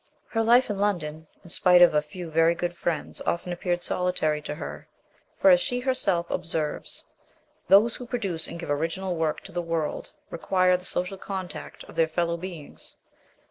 Her life in London, in spite of a few very good friends, of ten appeared solitary to her; for, as she herself observes, those who produce and give original work to the world require the social contact of their fellow beings.